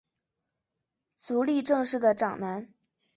足利政氏的长男。